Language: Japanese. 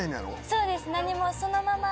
そうです何もそのまま。